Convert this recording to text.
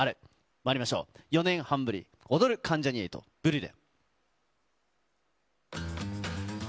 まいりましょう、４年半ぶり、踊る関ジャニ∞、ブリュレ。